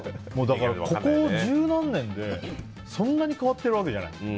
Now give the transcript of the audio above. ここ十何年でそんなに変わってるわけじゃない。